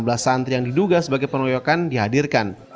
ke enam belas santri yang diduga sebagai pengeroyokan dihadirkan